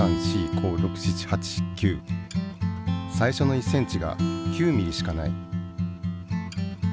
最初の１ｃｍが９ｍｍしかない。